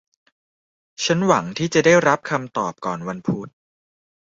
ฉันหวังที่จะได้รับคำตอบก่อนวันพุธ